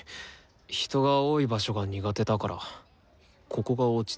人が多い場所が苦手だからここが落ち着くってだけで。